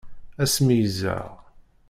Ad s-meyyzeɣ.